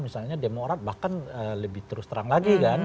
misalnya demokrat bahkan lebih terus terang lagi kan